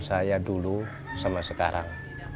saya dulu sama sekarang